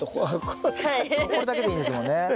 これだけでいいんですもんね。